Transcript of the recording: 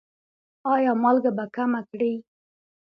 ایا مالګه به کمه کړئ؟